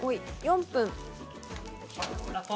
４分。